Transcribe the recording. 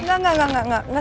enggak enggak enggak